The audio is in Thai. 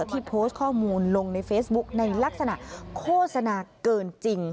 ที่โพสต์ข้อมูลลงในเฟซบุ๊กในลักษณะโฆษณาเกินจริง